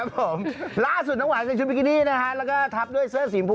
ครับผมล่าสุดน้องหวายเสร็จชุดบิ๊กกีดี้นะทับด้วยเสื้อสีม